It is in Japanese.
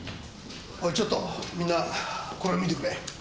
おいちょっとみんなこれを見てくれ。